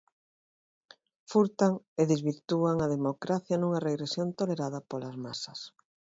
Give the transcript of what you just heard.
Furtan e desvirtúan a democracia nunha regresión tolerada polas masas.